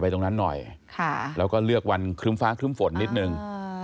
ตรงนั้นหน่อยแล้วก็เลือกวันครึ้มฟ้าครึ้มฝนนิดนึง